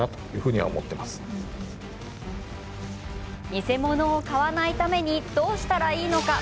偽物を買わないためにどうしたらいいのか。